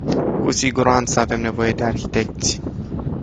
Cu siguranță avem nevoie de arhitecți.